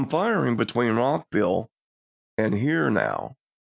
a^t, ° firing between Rockville and here now."